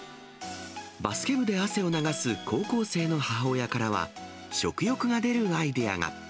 バスケ部で汗を流す高校生の母親からは、食欲が出るアイデアが。